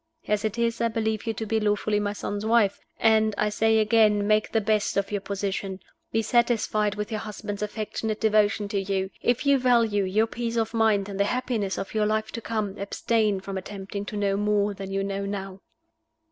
As it is, I believe you to be lawfully my son's wife; and I say again, make the best of your position. Be satisfied with your husband's affectionate devotion to you. If you value your peace of mind and the happiness of your life to come, abstain from attempting to know more than you know now."